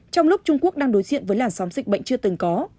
trong lúc trung quốc đang đối diện với làn sóng dịch bệnh chưa từng có